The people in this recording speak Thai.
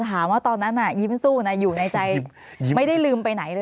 ถามว่าตอนนั้นยิ้มสู้อยู่ในใจไม่ได้ลืมไปไหนเลย